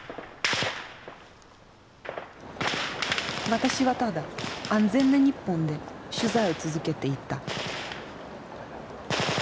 私はただ安全な日本で取材を続けていた。